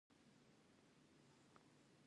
دوی ځوانانو ته فرصتونه برابروي.